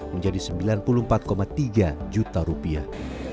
menjadi sembilan puluh empat tiga juta rupiah